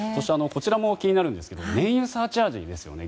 こちらも気になるんですが燃油サーチャージですね。